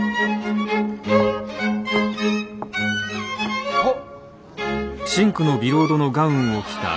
あっ。